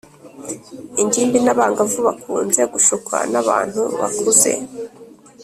ingimbi n’abangavu bakunze gushukwa n’abantu bakuze,